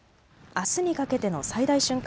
あすにかけての最大瞬間